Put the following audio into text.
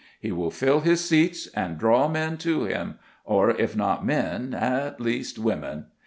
He will fill his seats, and draw men to him, or, if not men, at least women.